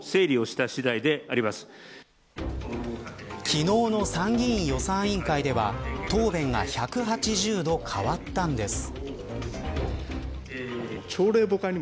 昨日の参議院予算委員会では答弁が１８０度変わったんです。